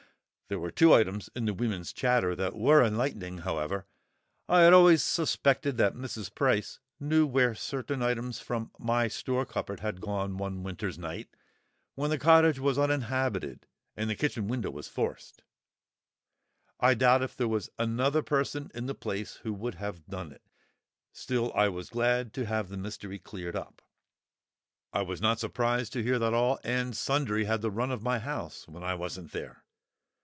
There were two items in the women's chatter that were enlightening, however. I had always suspected that Mrs. Price knew where certain items from my store cupboard had gone one winter's night when the cottage was uninhabited and the kitchen window forced. I doubt if there was another person in the place who would have done it. Still I was glad to have the mystery cleared up. I was not surprised to hear that all and sundry had the run of my house when I wasn't there.